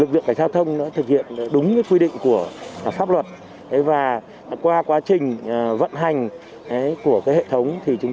lực lượng cảnh sát giao thông đã thực hiện đúng quy định của pháp luật và qua quá trình vận hành của hệ thống